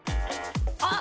あっ！